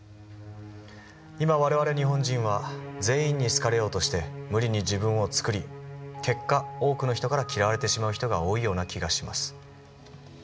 今我々日本人は全員に好かれようとして無理に自分を作り結果多くの人から嫌われてしまう人が多いような気がします。